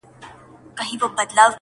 • چي شاگرد وي چي مکتب چي معلمان وي ,